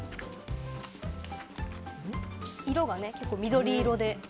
色がね、結構緑色で。